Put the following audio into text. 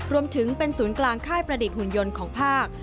รวมถึงเป็นศูนย์กลางค่ายประดิษฐหุ่นยนต์ของภาค